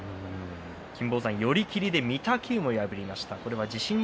金峰山、寄り切りで御嶽海を破りました。